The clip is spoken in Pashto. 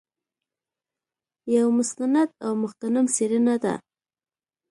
یو مستند او مغتنم څېړنه ده.